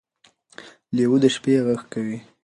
لیوه د شپې غږ کوي.